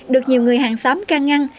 được nhiều người hàng xóm can ngăn